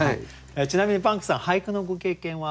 ちなみにパンクさん俳句のご経験は？